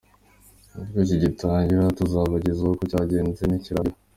Nibwo kigitangira tuzabagezaho uko cyagenze nikirangira.